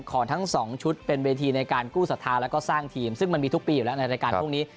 ของทั้งสองชุดเป็นเวทีในการกู้ศรัทธาแล้วก็สร้างทีมซึ่งมันมีทุกปีอยู่แล้วในรายการพรุ่งนี้